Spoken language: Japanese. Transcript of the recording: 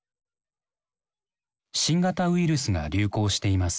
「新型ウイルスが流行しています。